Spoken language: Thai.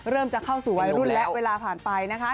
จะเข้าสู่วัยรุ่นและเวลาผ่านไปนะคะ